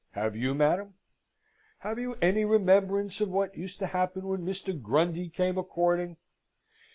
Have you, madam? Have you any remembrance of what used to happen when Mr. Grundy came a courting?